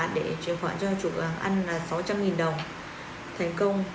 để chuyển khoản cho chủ hàng ăn là sáu trăm linh đồng thành công